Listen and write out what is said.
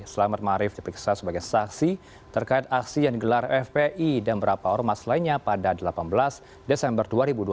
selamat marif diperiksa sebagai saksi terkait aksi yang digelar fpi dan beberapa ormas lainnya pada delapan belas desember dua ribu dua puluh